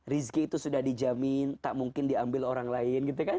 rizki itu sudah dijamin tak mungkin diambil orang lain